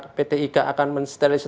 karena dari pihak pt iga akan mensterilisasi